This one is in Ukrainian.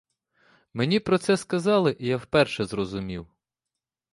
Мені про це сказали, і я вперше зрозумів.